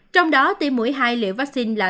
trong đó tiêm mũi hai liều vaccine là sáu mươi chín sáu